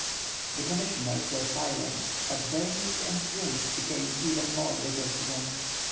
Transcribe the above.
The commissioners were silent, but their meat and drink became even more bitter to them.